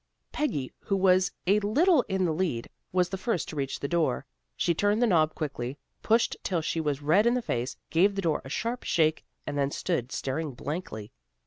Peggy who was a little in the lead, was the first to reach the door. She turned the knob quickly, pushed till she was red in the face, gave the door a sharp shake and then stood staring blankly.